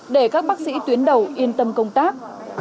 để các bác sĩ tuyến đầu yên tâm công tác